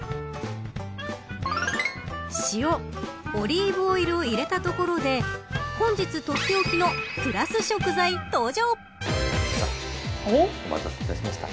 塩、オリーブオイルを入れたところで本日とっておきのプラス食材登場。